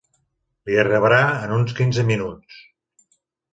Li arribarà en uns quinze minuts.